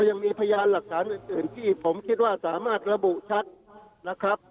ยังมีพยานหลักฐานอื่นที่ผมคิดว่าสามารถระบุชัดนะครับ